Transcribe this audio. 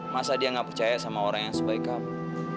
masa dia nggak percaya sama orang yang sebaik kamu